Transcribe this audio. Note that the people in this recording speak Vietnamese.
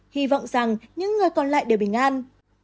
hy vọng rằng những người còn lại đều bình an